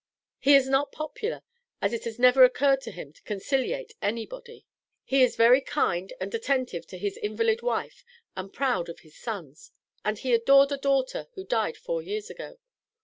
He is not popular, as it has never occurred to him to conciliate anybody. He is very kind and attentive to his invalid wife and proud of his sons, and he adored a daughter who died four years ago.